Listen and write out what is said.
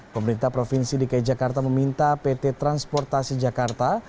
pemerintah provinsi dki jakarta meminta pt transportasi jakarta